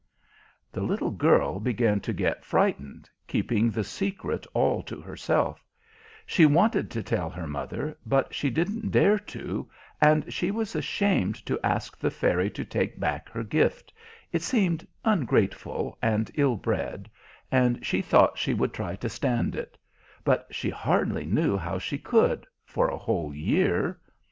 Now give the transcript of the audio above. The little girl began to get frightened, keeping the secret all to herself; she wanted to tell her mother, but she didn't dare to; and she was ashamed to ask the Fairy to take back her gift, it seemed ungrateful and ill bred, and she thought she would try to stand it, but she hardly knew how she could, for a whole year.